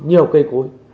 nhiều cây cối